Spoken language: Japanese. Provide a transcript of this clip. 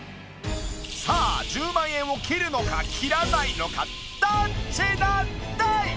さあ１０万円を切るのか切らないのかどっちなんだい！？